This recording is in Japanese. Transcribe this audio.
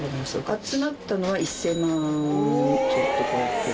集まったのは１０００万をちょっと超えて。